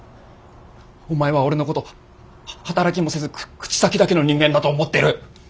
お前は俺のことは働きもせず口先だけの人間だと思ってる。